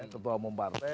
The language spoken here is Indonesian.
ketua umum partai